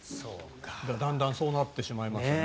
だんだんそうなってしまいましたね。